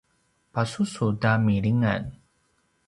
pasusu ta milingan